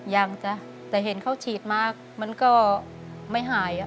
ยังจ้ะแต่เห็นเขาฉีดมามันก็ไม่หาย